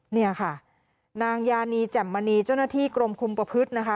เนี่ยค่ะนางยานีแจ่มมณีเจ้าหน้าที่กรมคุมประพฤตินะคะ